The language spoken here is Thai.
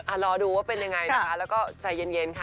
รอดูว่าเป็นยังไงนะคะแล้วก็ใจเย็นค่ะ